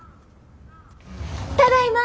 ただいま！